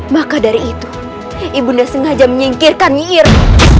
maka dari itu ibu nda sengaja menyingkirkan iru